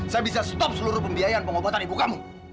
saya bisa stop seluruh pembiayaan pengobatan ibu kamu